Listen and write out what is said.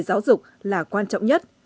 giáo dục là quan trọng nhất